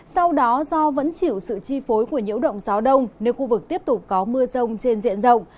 sau đó do vẫn chịu sự chi phối của nhiễu động gió đông nên khu vực tiếp tục có mưa rông trên diện rộng